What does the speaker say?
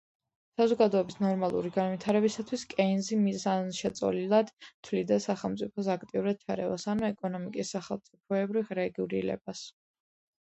საზოგადოების ნორმალური განვითარებისათვის კეინზი მიზანშეწონილად თვლიდა სახელმწიფოს აქტიურად ჩარევას, ანუ ეკონომიკის სახელმწიფოებრივ რეგულირებას.